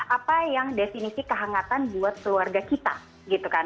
apa yang desinisi kehangatan buat keluarga kita